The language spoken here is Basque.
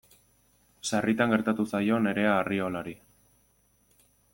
Sarritan gertatu zaio Nerea Arriolari.